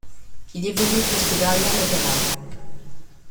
Il évolue au poste d'arrière latéral.